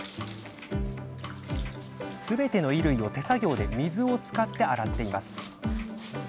すべての衣類を手作業で水を使って洗っています。